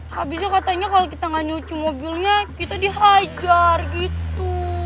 habisnya katanya kalau kita gak nyucu mobilnya kita dihajar gitu